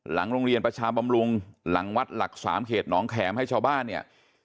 หลังโรงเรียนประชาบำรุงหลังวัดหลักสามเขตหนองแขมให้ชาวบ้านเนี่ย